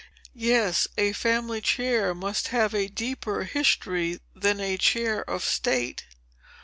"Yes; a family chair must have a deeper history than a Chair of State."